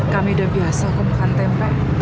kami udah biasa aku makan tempe